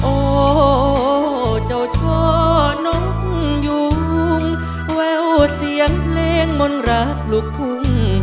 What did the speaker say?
โอโอโอเจ้าช่อน้องยุงแววเสียงเพลงหม่นรักลูกทุ่ม